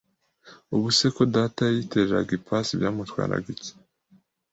ubuse ko Data yitereraga ipasi byamutwaraga iki